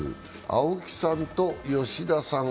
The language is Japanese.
青木さんと吉田さん